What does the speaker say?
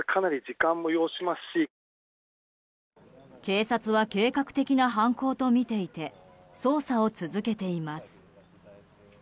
警察は計画的な犯行とみていて捜査を続けています。